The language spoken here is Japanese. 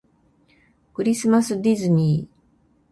クリスマスディズニー